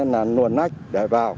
là nguồn nách để vào